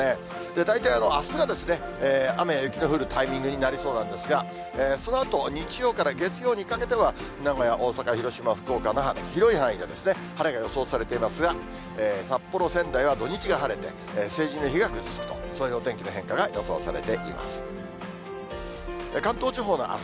大体あすが雨や雪の降るタイミングになりそうなんですが、そのあと、日曜から月曜にかけては、名古屋、大阪、広島、福岡、那覇、広い範囲で晴れが予想されていますが、札幌、仙台は土日が晴れて、成人の日がぐずつくと、そういうお天気の変化が予想されています。